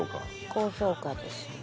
高評価ですね。